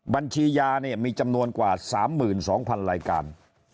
บัญชียาเนี่ยมีจำนวนกว่า๓๒๐๐๐รายการ